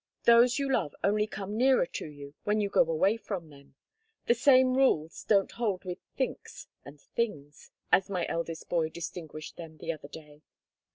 Those you love only come nearer to you when you go away from them. The same rules don't hold with thinks and things, as my eldest boy distinguished them the other day.